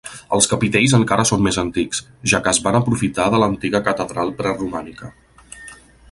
Els capitells encara són més antics, ja que es van aprofitar de l'antiga catedral preromànica.